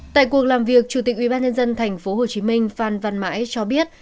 tại cuộc làm việc chủ tịch ubnd tp hcm phan văn mãi cho biết